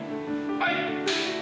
はい！